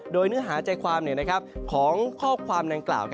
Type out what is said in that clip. โดยเนื้อหาใจความของข้อความดังกล่าว